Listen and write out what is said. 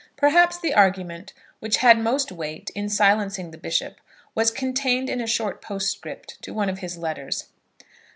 Perhaps the argument which had most weight in silencing the bishop was contained in a short postscript to one of his letters.